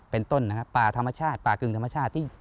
เป็นต้นป่าธรรมชาติป่ากึ่งธรรมชาติ